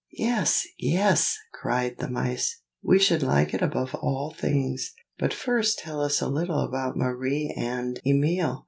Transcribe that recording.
"Yes! yes!" cried the mice; "we should like it above all things. But first tell us a little about Marie and Emil.